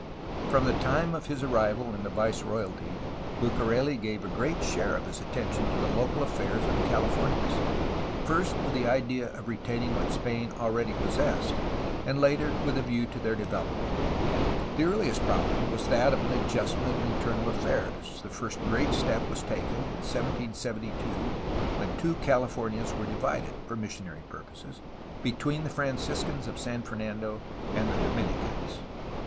From the time of his arrival in the viceroyalty Bucareli gave a great share of his attention to the local affairs of the Cahfornias, first with the idea of retaining what Spain already possessed, and later with a view to their development. The earhest problem was that of an adjustment of internal affairs. The first great step was taken in 1772 when the two Californias were divided, for missionary purposes, between the Franciscans of San Fernando and the Dominicans.